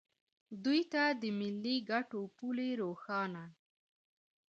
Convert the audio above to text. دوی ته د ملي ګټو پولې روښانه